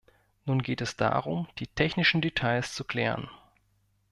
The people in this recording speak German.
Nun geht es darum, die technischen Details zu klären.